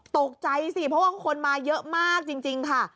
ตกใจสิเพราะว่าคนมาเยอะมากจริงค่ะ